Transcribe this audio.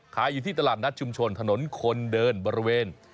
ขายอยู่ที่ตลาดนัดชุมชนถนนคนเดินบริเวณ